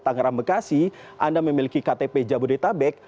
tangerang bekasi anda memiliki ktp jabodetabek